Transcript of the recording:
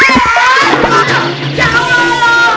ya allah ya allah